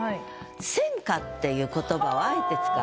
「戦果」っていう言葉をあえて使う。